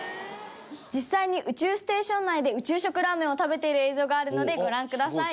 実際に宇宙ステーション内で宇宙食ラーメンを食べている映像があるのでご覧ください。